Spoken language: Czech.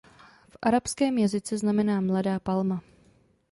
V arabském jazyce znamená "mladá palma".